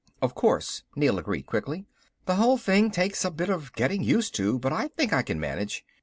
"Of course," Neel agreed quickly. "The whole thing takes a bit of getting used to, but I think I can manage.